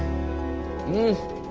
うん。